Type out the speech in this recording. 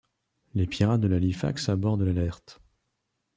Les pirates de l’Halifax à bord de l’Alert!...